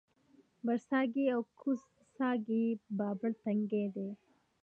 برڅاګی او کوز څاګی بابړ تنګی دی